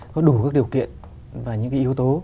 có đủ các điều kiện và những yếu tố